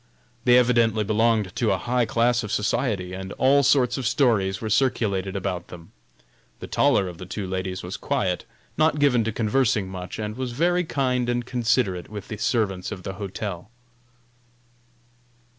They evidently belonged to a high class of society, and all sorts of stories were circulated about them. The taller of the two ladies was quiet, not given to conversing much, and was very kind and considerate with the servants at the hotel.